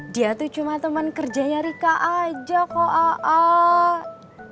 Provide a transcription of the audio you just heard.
dia tuh cuma temen kerjanya rika aja kok aatisna